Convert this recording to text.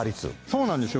そうなんですよ。